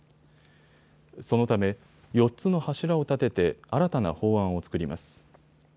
そのため４つの柱を立てて新たな法案を作ります。